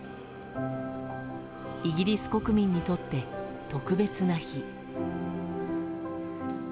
イギリス国民にとって特別な日。